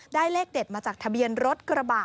เลขเด็ดมาจากทะเบียนรถกระบะ